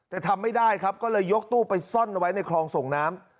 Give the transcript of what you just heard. แต่ทำไม่ได้ครับก็เลยยกตู้ไปซ่อนไว้ในคลองส่งน้ำ